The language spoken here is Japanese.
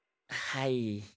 はい。